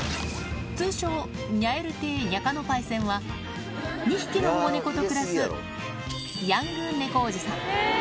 通称、にゃえる亭にゃかのパイセンは、２匹の保護猫と暮らすヤング猫おじさん。